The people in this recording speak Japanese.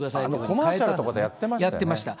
コマーシャルとかでやってましたね。